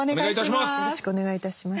よろしくお願いします。